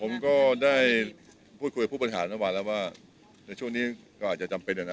ผมก็ได้พูดคุยผู้บริหารเมื่อวานแล้วว่าในช่วงนี้ก็อาจจะจำเป็นอย่างนั้น